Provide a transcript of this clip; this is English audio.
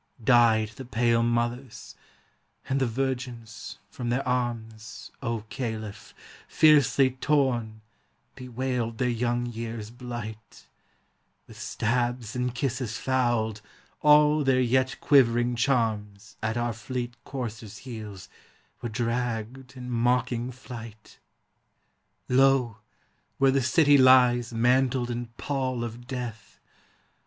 Died the pale mothers; and the virgins, from their arms, O Caliph, fiercely torn, bewailed their young years' blight; With stabs and kisses fouled, all their yet quivering charms At our fleet coursers' heels were dragged in mocking flight. Lo, where the city lies mantled in pall of death!